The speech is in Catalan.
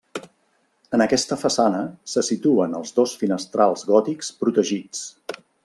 En aquesta façana se situen els dos finestrals gòtics protegits.